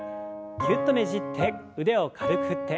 ぎゅっとねじって腕を軽く振って。